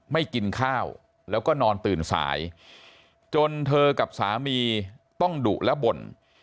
ไม่กินข้าวแล้วก็นอนตื่นสายจนเธอกับสามีต้องดุและบ่น